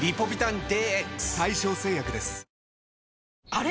あれ？